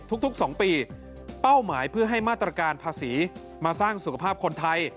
ทุก๒ปีเป้าหมายเพื่อให้มาตรการภาษีมาสร้างสุขภาพคนไทย